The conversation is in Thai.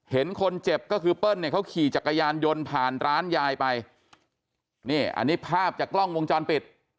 เห็นคนเจ็บก็คือเปิ้ลเนี่ยเขาขี่จักรยานยนต์ผ่านร้านยายไปนี่อันนี้ภาพจากกล้องวงจรปิด